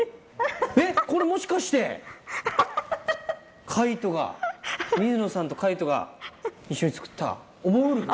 えっ、これもしかして、海人が、水野さんと海人が一緒に作った、おもウルフ？